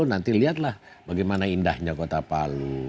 nanti lihat lah bagaimana indahnya kota palu